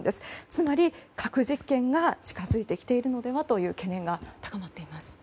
つまり、核実験が近づいてきているのではという懸念が高まっています。